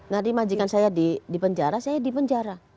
tadi majikan saya dipenjara saya dipenjara